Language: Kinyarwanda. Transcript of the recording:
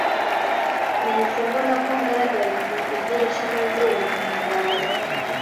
Nahise mbona ko ngaragarira mu idirishya maze birantangaza.